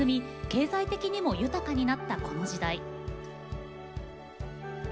経済的にも豊かになったこの時代。